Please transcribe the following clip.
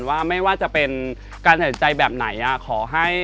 ว่าไม่ว่าจะเป็นการตัดสินใจแบบไหน